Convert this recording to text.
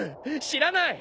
知らない！